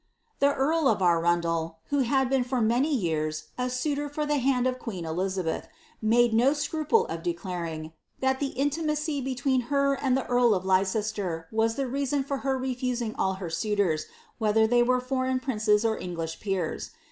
The earl of Arundel, who had been for many years a suitor for Iiand of queen Elizabeth, made no scruple of declaring, that the intira; between her and the earl of Leicester was the reason of her refusing her suitors, whether they were foreign princes or English peers.